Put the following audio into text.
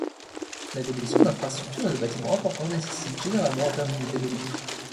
La démolition d'infrastructures et de bâtiments importants nécessite généralement un permis de démolir.